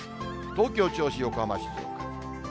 東京、銚子、横浜、静岡。